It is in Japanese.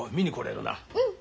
うん！